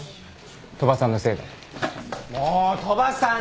もう鳥羽さん